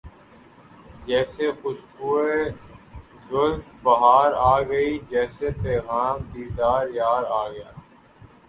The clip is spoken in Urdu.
جیسے خوشبوئے زلف بہار آ گئی جیسے پیغام دیدار یار آ گیا